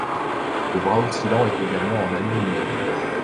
Le bras oscillant est également en aluminium.